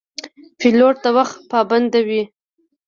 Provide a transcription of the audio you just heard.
پیلوټ د وخت پابند وي.